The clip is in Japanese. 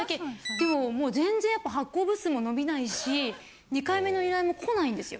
でも全然発行部数も伸びないし２回目の依頼も来ないんですよ。